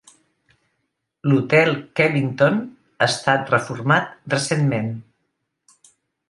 L"hotel Kevington ha estat reformat recentment.